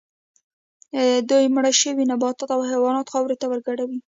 دوی مړه شوي نباتات او حیوانات خاورې ته ورګډوي